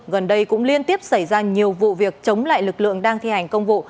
gần đây cũng liên tiếp xảy ra nhiều vụ việc chống lại lực lượng đang thi hành công vụ